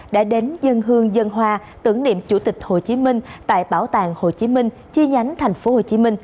đã đến dân hương dân hoa tưởng niệm chủ tịch hồ chí minh tại bảo tàng hồ chí minh chi nhánh tp hcm